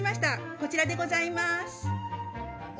こちらでございます。